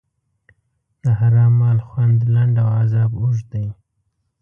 د حرام مال خوند لنډ او عذاب اوږد دی.